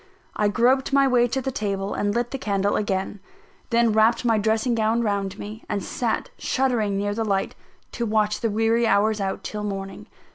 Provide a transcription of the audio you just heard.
I groped my way to the table and lit the candle again; then wrapped my dressing gown round me, and sat shuddering near the light, to watch the weary hours out till morning.